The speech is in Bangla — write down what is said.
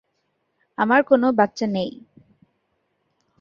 আমার কোনো বাচ্চা নেই।